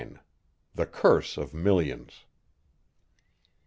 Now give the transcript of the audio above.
THE CURSE OF MILLIONS.